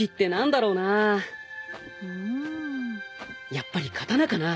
やっぱり刀かな。